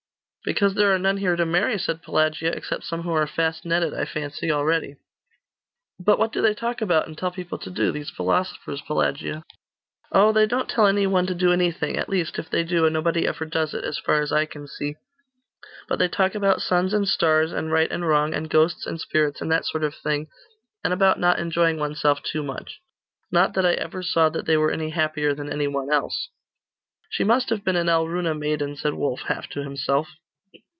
'Because there are none here to marry,' said Pelagia; 'except some who are fast netted, I fancy, already.' 'But what do they talk about, and tell people to do, these philosophers, Pelagia?' 'Oh, they don't tell any one to do anything at least, if they do, nobody ever does it, as far as I can see; but they talk about suns and stars, and right and wrong, and ghosts and spirits, and that sort of thing; and about not enjoying oneself too much. Not that I ever saw that they were any happier than any one else.' 'She must have been an Alruna maiden,' said Wulf, half to himself.